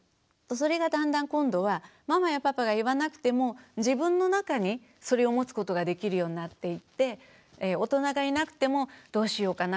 それがだんだん今度はママやパパが言わなくても自分の中にそれを持つことができるようになっていって大人がいなくてもどうしようかな